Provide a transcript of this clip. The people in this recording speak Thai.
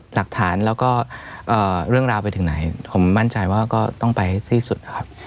หลักฐานแล้วก็เรื่องราวไปถึงไหนผมมั่นใจว่าก็ต้องไปสิ้นสุดนะครับ